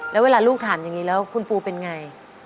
แล้วเวลาลูกถามอย่างนี้แล้วคุณปูเป็นไง